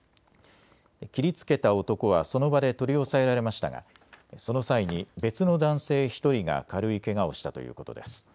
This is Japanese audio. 切りつけた男はその場で取り押さえられましたがその際に別の男性１人が軽いけがをしたということです。